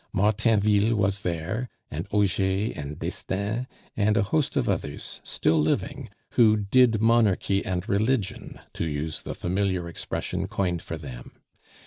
Martainville was there, and Auger and Destains, and a host of others, still living, who "did Monarchy and religion," to use the familiar expression coined for them.